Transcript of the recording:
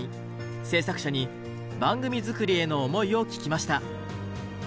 制作者に番組作りへの思いを聞きました。